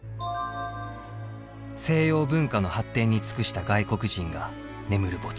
西洋文化の発展に尽くした外国人が眠る墓地。